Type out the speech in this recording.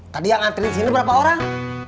tadi yang ngantri disini berapa orang